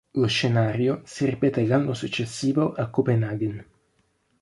Lo scenario si ripeté l'anno successivo a Copenaghen.